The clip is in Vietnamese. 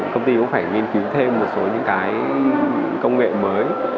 công ty cũng phải nghiên cứu thêm một số những cái công nghệ mới